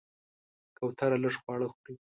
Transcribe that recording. کوتره لږ خواړه خوري.